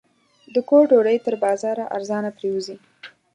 د کور ډوډۍ تر بازاره ارزانه پرېوځي.